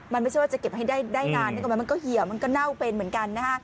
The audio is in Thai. มันไม่ใช่ว่าจะเก็บให้ได้งานมันก็เหี่ยวมันก็เน่าเป็นเหมือนกันนะฮะ